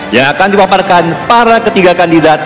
yang akan dipaparkan para ketiga kandidat